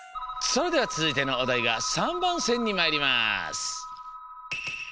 それではつづいてのおだいが３ばんせんにまいります。